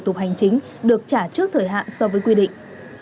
tục hành chính được trả trước thời hạn so với quy định